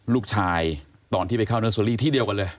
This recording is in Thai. ลูกชายตอนที่ไปเข้าเนอร์เซอรี่ที่เดียวกันเลย